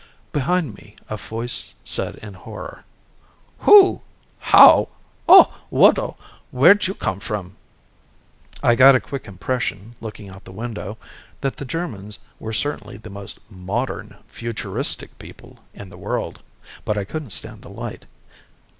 Behind me a voice said in horror, "Who ... how ... oh, Wodo, where'd you come from?" I got a quick impression, looking out the window, that the Germans were certainly the most modern, futuristic people in the world. But I couldn't stand the light.